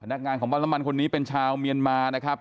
พนักงานของวัดละมันคนนี้เป็นชาวเมียนมานะครับ